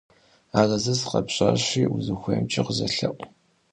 Арэзы сыкъэпщӀащи, узыхуеймкӀэ къызэлъэӀу.